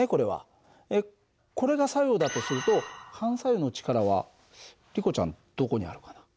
これが作用だとすると反作用の力はリコちゃんどこにあるかな？